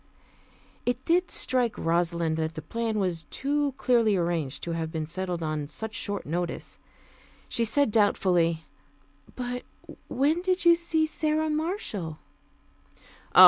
It did strike Rosalind that the plan was too clearly arranged to have been settled on such short notice. She said doubtfully, "But when did you see Sara Marshall?"